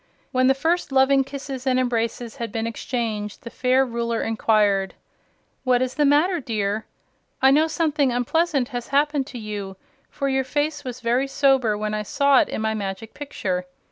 When the first loving kisses and embraces had been exchanged, the fair Ruler inquired: "What is the matter, dear? I know something unpleasant has happened to you, for your face was very sober when I saw it in my Magic Picture.